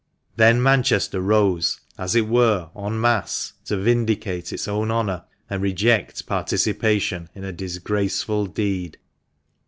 Then Manchester rose, as it were, en masse, to vindicate its own honour, and reject participation in a disgraceful deed.